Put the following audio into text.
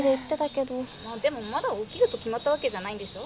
でもまだ起きると決まった訳じゃないんでしょ？